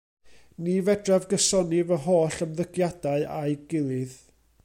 Ni fedraf gysoni fy holl ymddygiadau â'i gilydd.